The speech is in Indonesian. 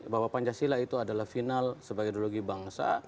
bahwa pancasila itu adalah final sebagai ideologi bangsa